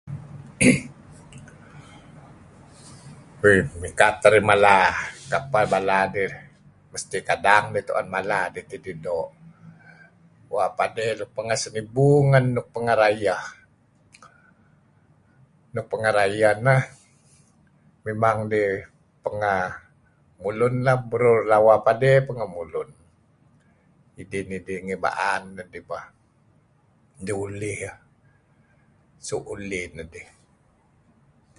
Oi mikat teh arih mala kapeh bala dih, mesti kadang mala dih kidih tidih doo'. Bua' padey nuk pengeh senibu ngen nuk pengeh rayeh , nuk pengeh rayeh neh memang dih pengeh mulun lah neh burur lawa padey pengeh mulun idih nidih ngi ba'an nedih bah. Dih ulih yah [unintelligible] ulih nedih.